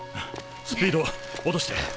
スピード落として。